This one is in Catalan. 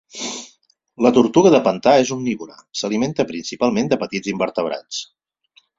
La tortuga de pantà és omnívora, s'alimenta principalment de petits invertebrats.